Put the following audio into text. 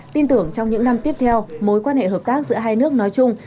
tin tưởng trong những năm tiếp theo mối quan hệ hợp tác giữa hai nước nói chung